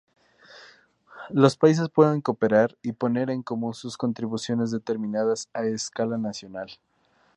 Los países pueden cooperar y poner en común sus contribuciones determinadas a escala nacional.